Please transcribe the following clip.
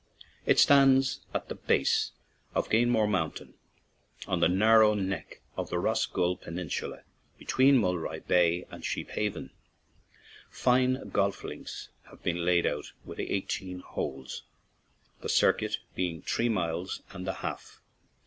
It stands at the base of Ganiamore Moun tain, on the narrow neck of the Rossgull peninsula, between Mulroy Bay and Sheep haven. Fine golf links have been laid out with eighteen holes, the circuit being three miles and a half.